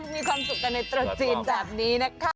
มีความสุขกันในตรุษจีนแบบนี้นะคะ